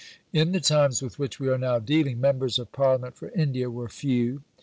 In the times with which we are now dealing, "Members of Parliament for India" were few.